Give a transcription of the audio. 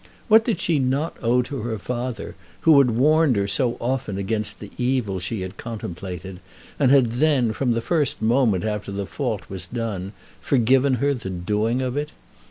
What did she not owe to her father, who had warned her so often against the evil she had contemplated, and had then, from the first moment after the fault was done, forgiven her the doing of it?